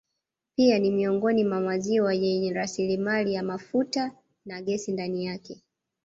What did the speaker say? Pia ni miongoni mwa maziwa yenye rasilimali ya mafuta na gesi ndani yake